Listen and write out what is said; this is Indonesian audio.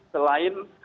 selain empat buah parang